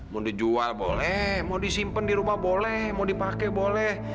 mau dijual boleh mau disimpan di rumah boleh mau dipakai boleh